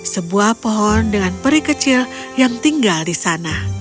sebuah pohon dengan peri kecil yang tinggal di sana